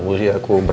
masih aja sakit